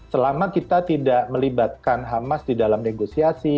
selama kita tidak melibatkan hamas di dalam negosiasi